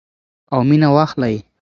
او مینه واخلئ.